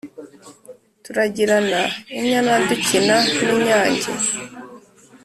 Turagirana inyana dukina n'inyange